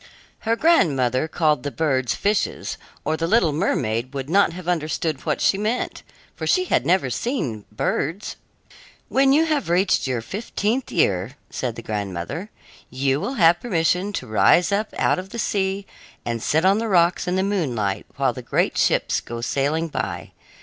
Her grandmother called the birds fishes, or the little mermaid would not have understood what was meant, for she had never seen birds. "When you have reached your fifteenth year," said the grandmother, "you will have permission to rise up out of the sea and sit on the rocks in the moonlight, while the great ships go sailing by.